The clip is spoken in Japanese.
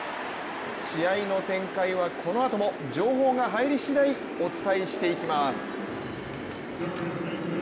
試合の展開はこのあとも情報が入り次第お伝えしていきます。